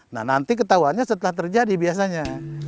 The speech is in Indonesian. nah nanti ketahuannya setelah terjadi biasanya